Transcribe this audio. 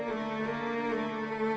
ceng eh tunggu